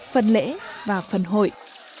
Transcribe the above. phần lễ và phần đường